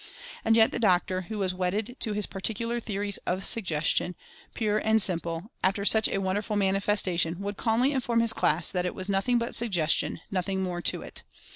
And yet the doctor, who was wedded to his particular theories of Suggestion pure and simple, after such a wonderful manifestation, would calmly inform his class that it "was nothing but Suggestion — nothing more to it."